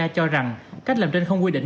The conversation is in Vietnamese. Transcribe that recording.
cho rằng cách làm trên không quy định